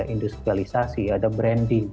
industrialisasi ada branding